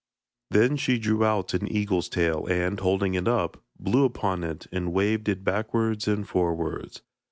Then she drew out an eagle's tail, and, holding it up, blew upon it and waved it backwards and forwards.